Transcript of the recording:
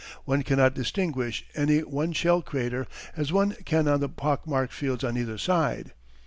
One cannot distinguish any one shell crater, as one can on the pockmarked fields on either side.